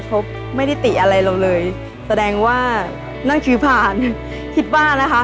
เขาไม่ได้ติอะไรเราเลยแสดงว่านั่งถือผ่านคิดว่านะคะ